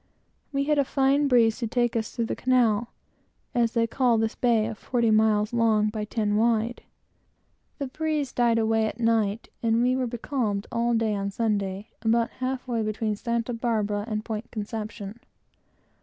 We had a fine breeze to take us through the Canal, as they call this bay of forty miles long by ten wide. The breeze died away at night, and we were becalmed all day on Sunday, about half way between Santa Barbara and Point Conception.